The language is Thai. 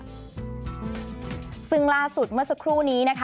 ซึ่งล่าสุดเมื่อสักครู่นี้นะคะ